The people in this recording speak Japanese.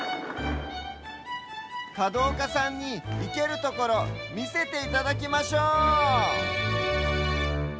かどうかさんにいけるところみせていただきましょう！